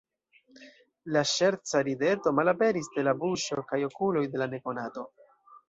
La ŝerca rideto malaperis de la buŝo kaj okuloj de la nekonato.